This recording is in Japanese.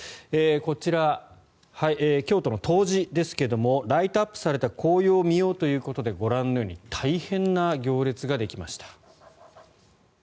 こちら京都の東寺ですけどもライトアップされた紅葉を見ようということでご覧のように大変な行列ができました。